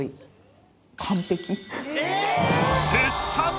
絶賛！